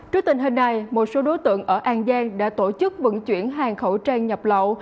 trước tình hình này một số đối tượng ở an giang đã tổ chức vận chuyển hàng khẩu trang nhập lậu